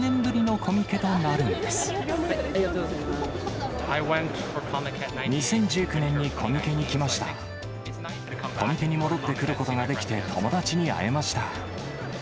コミケに戻ってくることができて、友達に会えました。